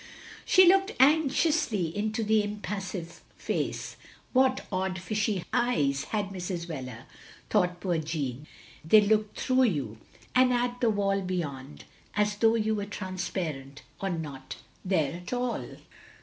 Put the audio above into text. " She looked anxiously into the impassive face. What odd fishy eyes had Mrs. Wheler, thought poor Jeanne; they looked through you, and at I04 THE LONELY LADY the wall beyond, as though you were transpai^ent, or not there at all.